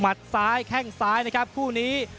ซ้ายแข้งซ้ายนะครับคู่นี้